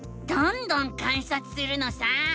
どんどん観察するのさ！